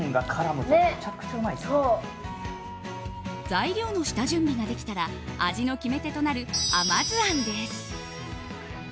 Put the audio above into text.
材料の下準備ができたら味の決め手となる甘酢あんです。